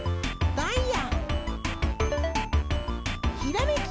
ダイヤ！